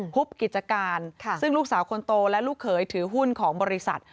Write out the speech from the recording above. ุบกิจการซึ่งลูกสาวคนโตและลูกเขยถือหุ้นของบริษัท